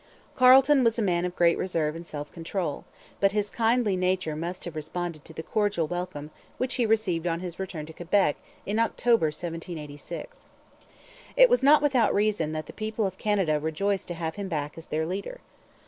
Carleton was a man of great reserve and self control. But his kindly nature must have responded to the cordial welcome which he received on his return to Quebec in October 1786. It was not without reason that the people of Canada rejoiced to have him back as their leader.